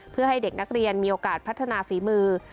เพื่อให้เด็กนักเรียนมีโอกาสพัฒนาฝีมือ